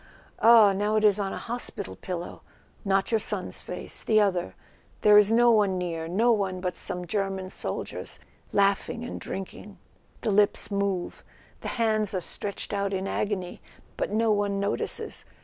Ah, now it is on a hospital pillow—not your son's face, the other; there is no one near, no one but some German soldiers laughing and drinking; the lips move, the hands are stretched out in agony; but no one notices.